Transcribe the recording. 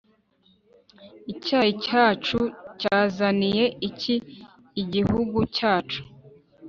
Icyayi cyacu cyazaniye iki igihugu cyacu?